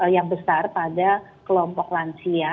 yang besar pada kelompok lansia